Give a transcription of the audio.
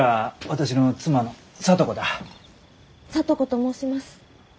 聡子と申します。